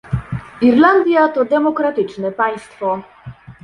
Irlandia to demokratyczne państwo